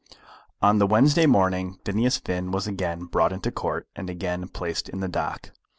On the Wednesday morning Phineas Finn was again brought into the Court, and again placed in the dock.